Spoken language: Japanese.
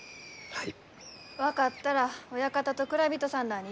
はい。